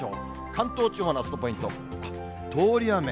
関東地方のあすのポイント、通り雨。